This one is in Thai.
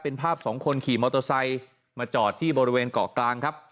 เป็นภาพสองคนขี่มอเตอร์ไซค์มาจอดที่บริเวณเกาะกลางครับ